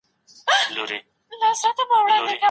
په هند کې د څېړنې لپاره ډېر مرکزونه سته.